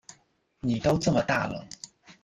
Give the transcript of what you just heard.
妳都这么大了